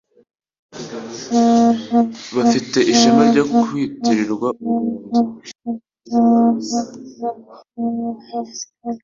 bafite ishema ryo kwitirirwa u Rwanda